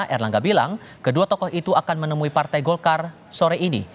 erlangga bilang kedua tokoh itu akan menemui partai golkar sore ini